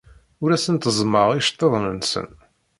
Ur asen-tteẓẓmeɣ iceḍḍiḍen-nsen.